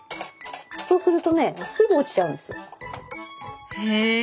そうするとねすぐ落ちちゃうんですよ。へ